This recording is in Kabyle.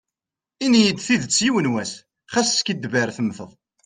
Ini-yi tidet yiwen was, ɣas skiddib ar temteḍ.